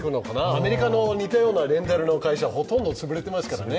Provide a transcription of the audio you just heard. アメリカの似たようなレンタルの会社ほとんど潰れていますからね。